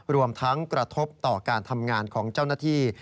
รวมทั้งกระทบต่อการทำงานของเจ้าหน้าที่